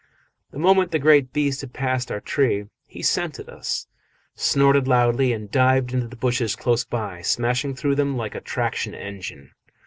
The moment the great beast had passed our tree, he scented us, snorted loudly, and dived into the bushes close by, smashing through them like a traction engine.